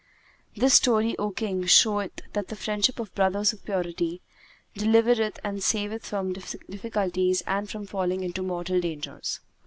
This story, O King, showeth that the friendship of the Brothers of Purity[FN#167] delivereth and saveth from difficulties and from falling into mortal dangers.